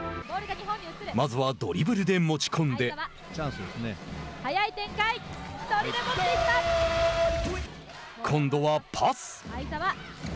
まずはドリブルで持ち込んで今度はパス。